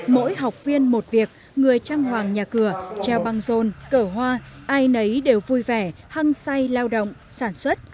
mỗi học viên một việc người trang hoàng nhà cửa treo băng rôn cỡ hoa ai nấy đều vui vẻ hăng say lao động sản xuất